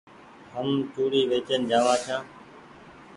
هم چوڙي وچيئن جآ وآن ڇآن ۔